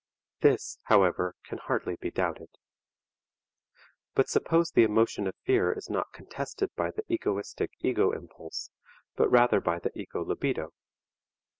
This, however, can hardly be doubted. But suppose the emotion of fear is not contested by the egoistic ego impulse, but rather by the ego libido?